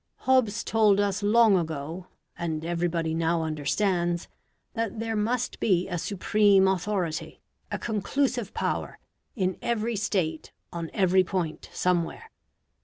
Hobbes told us long ago, and everybody now understands, that there must be a supreme authority, a conclusive power, in every State on every point somewhere.